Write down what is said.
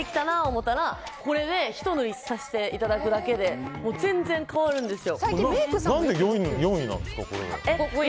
思たらこれでひと塗りさせていただくだけで全然変わるんです。